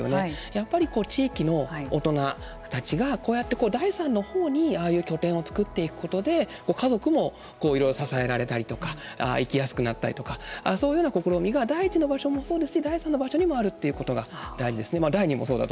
やっぱり地域の大人たちが第３のほうにああいう拠点を作っていくことで家族も支えられたりとか生きやすくなったりとかそういうような試みが第１の場所もそうですし第３の場所にもあるということが大事ですね。